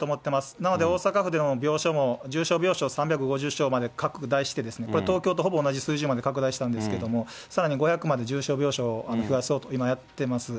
なので、大阪府の重症病床３５０床まで拡大して、これは東京とほぼ同じ水準まで拡大したんですけども、さらに５００まで重症病床を増やそうと、今やってます。